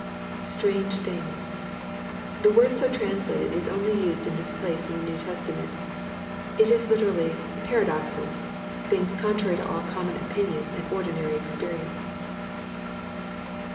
[JS^ange things.^ The word so translated Is only used in this place in the New Testament. It is literally " paradoxes," things contrary to all common opinion and ordinary experience.